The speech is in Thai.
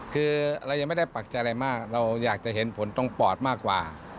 คือเรายังไม่ได้ปักใจอะไรมากเราอยากจะเห็นผลตรงปอดมากกว่า